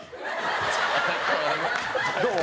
どう？